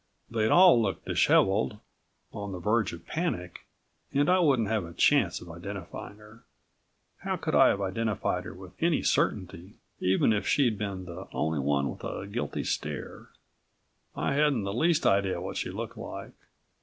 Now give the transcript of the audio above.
They'd all look disheveled, on the verge of panic and I wouldn't have a chance of identifying her. How could I have identified her with any certainty, even if she'd been the only one with a guilty stare? I hadn't the least idea what she looked like.